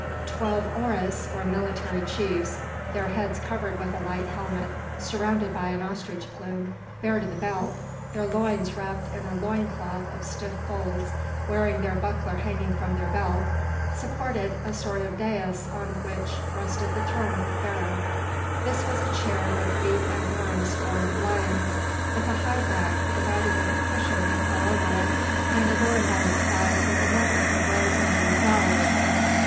Twelve oëris, or military chiefs, their heads covered with a light helmet surmounted by an ostrich plume, bare to the belt, their loins wrapped in a loin cloth of stiff folds, wearing their buckler hanging from their belt, supported a sort of dais on which rested the throne of the Pharaoh. This was a chair with feet and arms formed of lions, with a high back provided with a cushion that fell over it, and adorned on its sides with a network of rose and blue flowers.